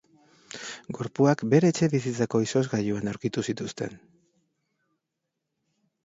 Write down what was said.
Gorpuak bere etxebizitzako izozkailuan aurkitu zituzten.